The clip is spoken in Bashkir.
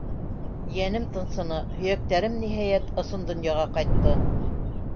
Йәнем тынсыны. һөйәктәрем, ниһайәт, ысын донъяға ҡайтты.